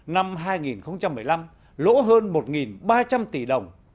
năm hai nghìn một mươi năm lỗ hơn một ba trăm linh tỷ đồng